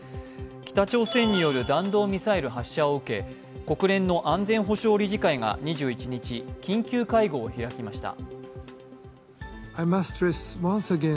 北朝鮮による弾道ミサイル発射を受け国連の安全保障理事会が２１日、緊急会合を開きました。